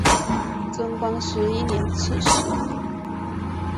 贞观十一年刺史。